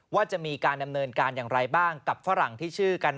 ว่าจะมีการดำเนินการอย่างไรบ้างกับฝรั่งที่ชื่อกัน